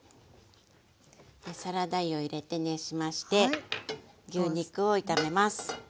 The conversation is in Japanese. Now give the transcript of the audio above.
サラダ油を入れて熱しまして牛肉を炒めます。